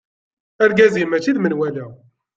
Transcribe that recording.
Argaz-im mačči d menwala.